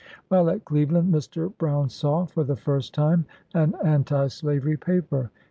While at Cleveland, Mr. Brown saw, for the first time, an anti slavery paper.